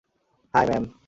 High, ma'am!